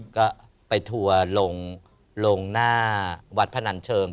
ก็ไปทัวร์ลงหน้าวัดพนันเชิง